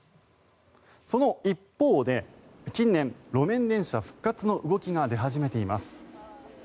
その一方で、近年路面電車復活の動きが出始めています。